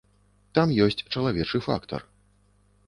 Там ёсць чалавечы фактар.